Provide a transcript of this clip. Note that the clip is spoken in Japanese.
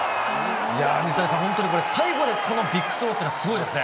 いや、水谷さん、最後にこのビッグスローっていうのはすごいですね。